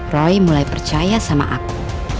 roy mulai percaya sama aku